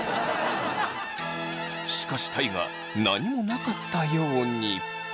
しかし大我何もなかったように。